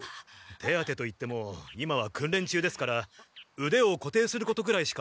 手当てといっても今はくんれん中ですからうでをこていすることくらいしか。